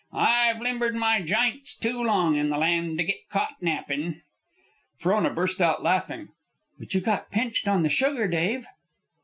I've limbered my jints too long in the land to git caught nappin'." Frona burst out laughing. "But you got pinched on the sugar, Dave."